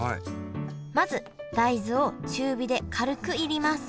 まず大豆を中火で軽く煎ります。